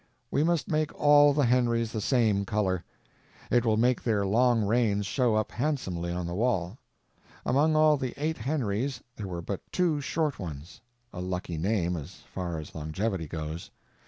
We must make all the Henrys the same color; it will make their long reigns show up handsomely on the wall. Among all the eight Henrys there were but two short ones. A lucky name, as far as longevity goes.